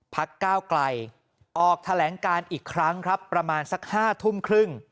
ก้าวไกลออกแถลงการอีกครั้งครับประมาณสัก๕ทุ่มครึ่ง